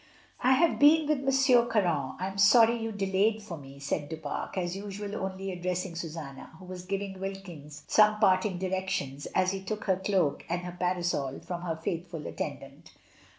*' "I have been with M. Caron. I am sorry you delayed for me," said Du Pare, as usual only address ing Susanna, who was giving Wilkins some parting directions as she took her cloak and her parasol from her faithful attendant.